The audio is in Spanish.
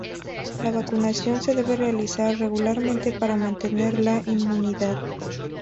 La vacunación se debe realizar regularmente para mantener la inmunidad.